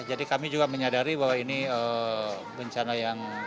jadi kami juga menyadari bahwa ini bencana yang